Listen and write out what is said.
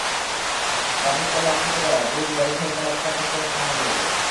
ট্রাফিককে লাঞ্ছিত করায় পুলিশ গাড়িসহ চালককে আটক করে থানায় নিয়ে যায়।